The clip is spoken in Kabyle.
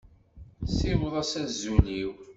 Siweḍ-as azul-iw.